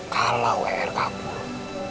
kalau er kabur